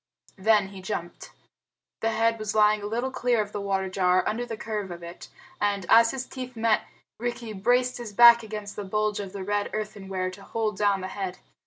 Then he jumped. The head was lying a little clear of the water jar, under the curve of it; and, as his teeth met, Rikki braced his back against the bulge of the red earthenware to hold down the head.